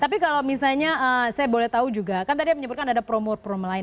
tapi kalau misalnya saya boleh tahu juga kan tadi yang menyebutkan ada promo promo lain